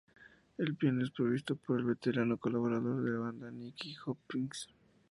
El piano es provisto por el veterano colaborador de la banda Nicky Hopkins.